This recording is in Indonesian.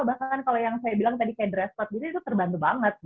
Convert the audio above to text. bahkan kalau yang saya bilang tadi kayak dress spot gitu itu terbantu banget